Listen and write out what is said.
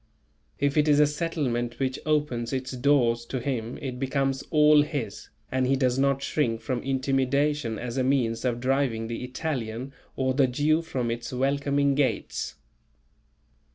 If it is a settlement which opens its doors to him it becomes all his, and he does not shrink from intimidation as a means of driving the Italian or the Jew from its welcoming gates.